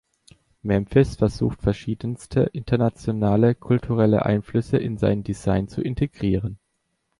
Memphis versuchte verschiedenste, internationale, kulturelle Einflüsse in sein Design zu integrieren.